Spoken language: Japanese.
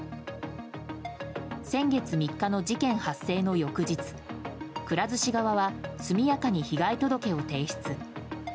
先月３日の事件発生の翌日くら寿司側は速やかに被害届を提出。